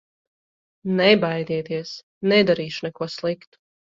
Nebaidieties, nedarīšu neko sliktu!